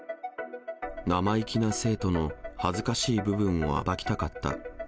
生意気な生徒の恥ずかしい部分を暴きたかった。